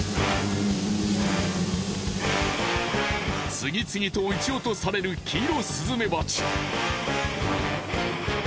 次々と撃ち落とされるキイロスズメバチ。